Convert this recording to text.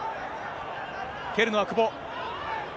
蹴るのは久保。